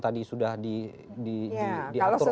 tadi sudah diatur oleh lembaga